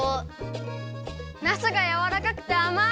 なすがやわらかくてあまい！